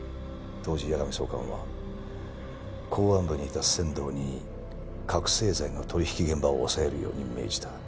当時矢上総監は公安部にいた千堂に覚醒剤の取引現場を押さえるように命じた。